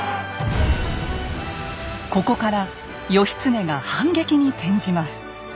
ここから義経が反撃に転じます。